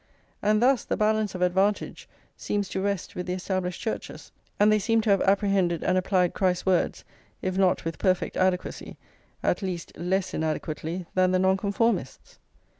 And thus the balance of advantage seems to rest with the Established Churches; and they seem to have apprehended and applied Christ's words, if not with perfect adequacy, at least less inadequately than the Nonconformists.